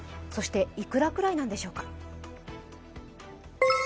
そしていくらくらいなんでしょうか。